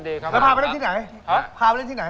แล้วพาไปเล่นที่ไหน